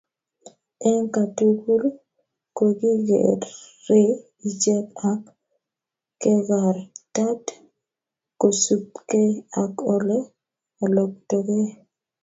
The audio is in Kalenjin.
eng kotugul kokigeerei ichek ak kekartat kosubkei ak ole oloktogei